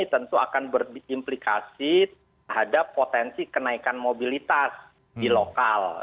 tentu akan berimplikasi terhadap potensi kenaikan mobilitas di lokal